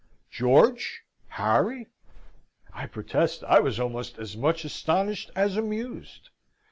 George! Harry! I protest I was almost as much astonished as amused.